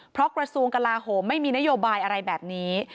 เพราะกระทรวงกลาโหมไม่มีนโยบายอะไรแบบนี้